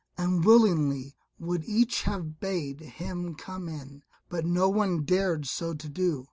and willingly would each have bade him come in, but no one dared so to do.